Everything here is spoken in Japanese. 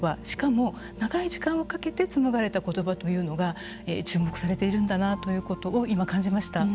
しかも長い時間をかけて紡がれた言葉というのが注目されているんだなということを今感じました。